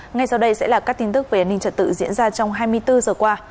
ngay sau đây sẽ là các tin tức về an ninh trật tự diễn ra trong hai mươi bốn giờ qua